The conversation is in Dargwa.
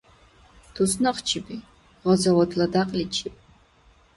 Туснакъчиби — «гъазаватла» дякьличиб